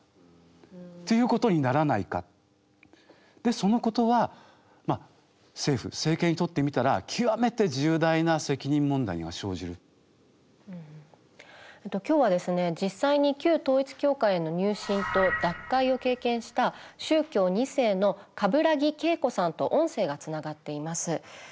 そのことは政府政権にとってみたら今日は実際に旧統一教会の入信と脱会を経験した宗教２世の冠木結心さんと音声がつながっています。